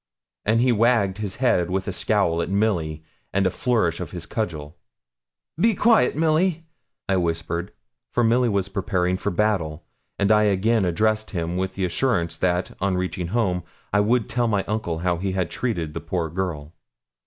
And he wagged his head with a scowl at Milly, and a flourish of his cudgel. 'Be quiet, Milly,' I whispered, for Milly was preparing for battle; and I again addressed him with the assurance that, on reaching home, I would tell my uncle how he had treated the poor girl.